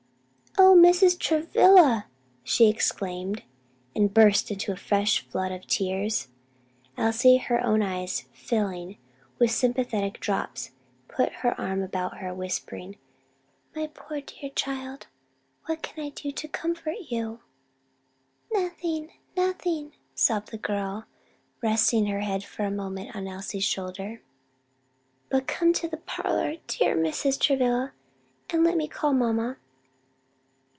"O, Mrs. Travilla!" she exclaimed, and burst into a fresh flood of tears. Elsie, her own eyes filling with sympathetic drops, put her arm about her, whispering, "My poor dear child! what can I do to comfort you?" "Nothing! nothing!" sobbed the girl, resting her head for a moment on Elsie's shoulder; "But come into the parlor, dear Mrs. Travilla, and let me call mamma."